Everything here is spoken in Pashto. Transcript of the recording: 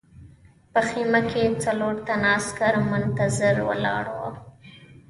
په خیمه کې څلور تنه عسکر منتظر ولاړ وو